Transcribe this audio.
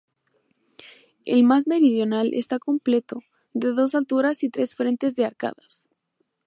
El más meridional está completo, de dos alturas y tres frentes de arcadas.